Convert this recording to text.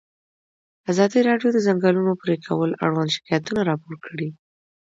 ازادي راډیو د د ځنګلونو پرېکول اړوند شکایتونه راپور کړي.